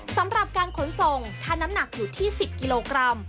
สำหรับการขนส่งถ้าน้ำหนักอยู่ที่๑๐กิโลกรัม